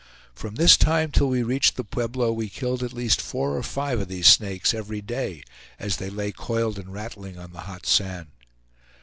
From this time till we reached the Pueblo we killed at least four or five of these snakes every day as they lay coiled and rattling on the hot sand.